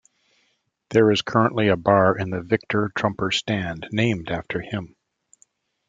There is currently a bar in the Victor Trumper Stand named after him.